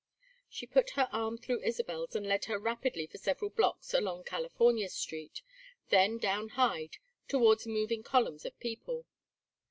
She put her arm through Isabel's and led her rapidly for several blocks along California Street, then down Hyde towards moving columns of people.